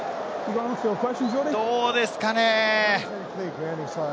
どうですかね？